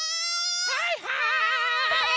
はいはい！